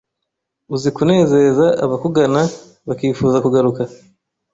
uzi kunezeza abakugana bakifuza kugaruka